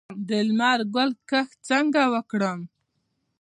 د لمر ګل کښت څنګه وکړم؟